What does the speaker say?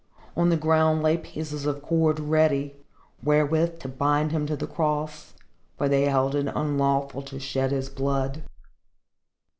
On the ground lay pieces of cord, ready, wherewith to bind him to the cross, for they held it unlawful to shed his blood.